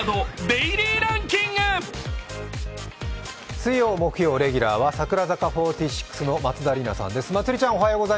水曜、木曜、レギュラーは櫻坂４６の松田里奈さんです。